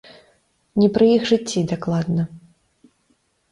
Не пры іх жыцці дакладна.